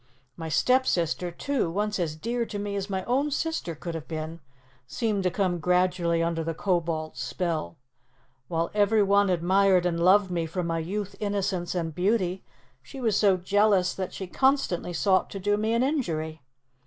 My stepsister, too, once as dear to me as my own sister could have been, seemed to come gradually under the Kobold's spell. While every one admired and loved me for my youth, innocence, and beauty, she was so jealous that she constantly sought to do me an injury.